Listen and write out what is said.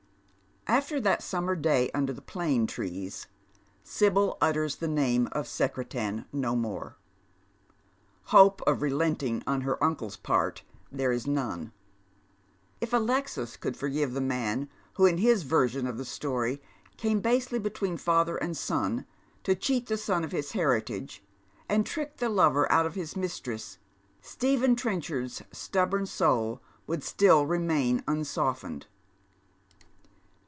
After that summer day under the plane trees, Sibyl utters the came of Secretan no more. Hope of relenting on her uncle's part there is none. If Alexis could forgive the man who in his ■version of the story came basely between father and eon to cheat the son of his heritage, and tricked the lover out of his mistress, Stephen Trenchard's stubborn soul would still remain unsoft^ned.